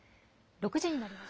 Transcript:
６時になりました。